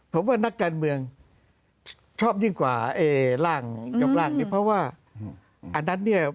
ผมว่านักการเมืองชอบยิ่งกว่าร่างยกร่างนี้เพราะว่าอันนั้นเนี่ย